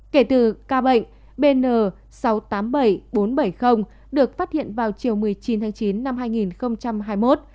kể từ ca bệnh bn sáu trăm tám mươi bảy bốn trăm bảy mươi được phát hiện vào chiều một mươi chín tháng chín năm hai nghìn hai mươi một